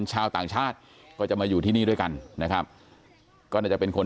ชาวต่างชาติก็จะมาอยู่ที่นี่ด้วยกันนะครับก็น่าจะเป็นคน